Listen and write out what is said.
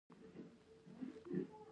ما ورته وویل: سل په سلو کې پر تا باور لرم.